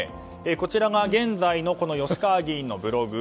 こちらが現在の吉川議員のブログ。